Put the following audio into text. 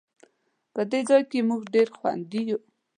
په دې ځای کې مونږ ډېر خوندي یو